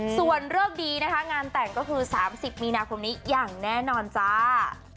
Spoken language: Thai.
ส่วนเลิกดีนะคะงานแต่งก็คือ๓๐มีนาคมนี้อย่างแน่นอนจ้า